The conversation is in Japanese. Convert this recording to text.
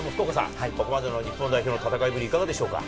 ここまでの日本代表の戦いぶり、いかがですか？